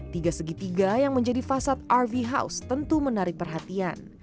tiga segitiga yang menjadi fasad rv house tentu menarik perhatian